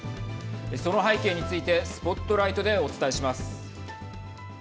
その背景についてＳＰＯＴＬＩＧＨＴでお伝えします。